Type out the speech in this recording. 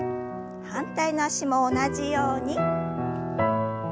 反対の脚も同じように。